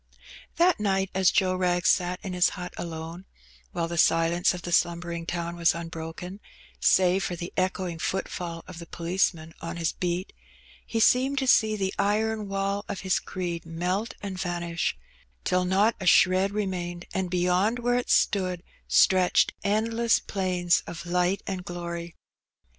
That night, as Joe Wrag sat in his hut alone, while the ilence of the slumbering town was unbroken, save for the choing footfall of the policeman on his beat, he seemed to ee the iron wall of his creed melt and vanish, till not a hred remained, and beyond where it stood stretched end ess plains of light and glory.